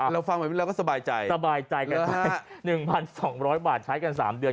อ๋อเราฟังเหมือนเราก็สบายใจสบายใจ๑๒๐๐บาทใช้กัน๓เดือน